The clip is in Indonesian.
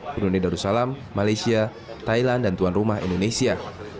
brunei darussalam malaysia thailand dan tuan rumah indonesia